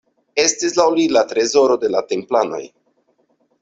Estis laŭ li la trezoro de la templanoj.